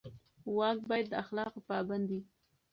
واک باید د اخلاقو پابند وي.